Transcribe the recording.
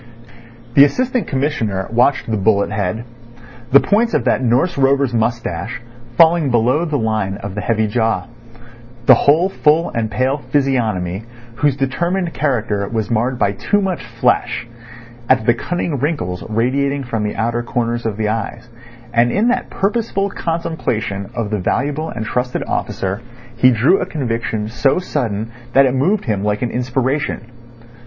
The Assistant Commissioner watched the bullet head; the points of that Norse rover's moustache, falling below the line of the heavy jaw; the whole full and pale physiognomy, whose determined character was marred by too much flesh; at the cunning wrinkles radiating from the outer corners of the eyes—and in that purposeful contemplation of the valuable and trusted officer he drew a conviction so sudden that it moved him like an inspiration.